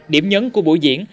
điểm nhấn của buổi diễn